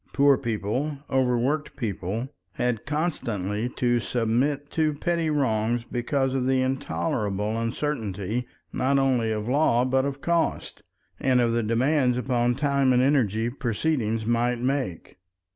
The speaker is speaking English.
Poor people, overworked people, had constantly to submit to petty wrongs because of the intolerable uncertainty not only of law but of cost, and of the demands upon time and energy, proceedings might make.